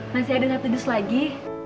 masih ada yang tidus lagi